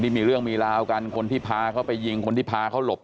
มีเรื่องมีราวกันคนที่พาเขาไปยิงคนที่พาเขาหลบ